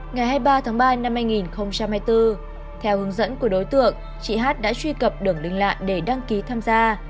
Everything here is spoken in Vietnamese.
ngày hai mươi ba tháng ba năm hai nghìn hai mươi bốn theo hướng dẫn của đối tượng chị hát đã truy cập đường linh lạ để đăng ký tham gia